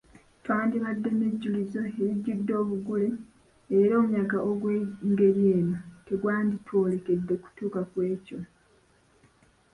Twandibadde nejjulizo erijjudde obugule, era omuyaga ogw'engeri eno tegwanditwolekedde kutuuka ku ekyo.